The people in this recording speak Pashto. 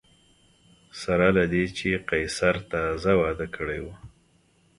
سره له دې چې قیصر تازه واده کړی و